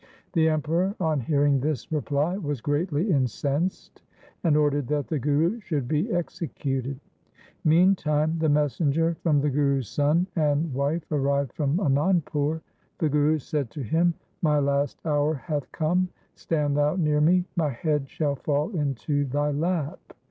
The Emperor on hearing this reply was greatly incensed, and ordered that the Guru should be executed. Meantime the messenger from the Guru's son and wife arrived from Anandpur. The Guru said to him :' My last hour hath come. Stand thou near me. My head shall fall into thy lap.